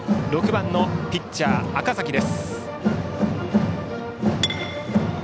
６番のピッチャー、赤嵜です。